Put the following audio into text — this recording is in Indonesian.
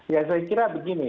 ya saya kira begini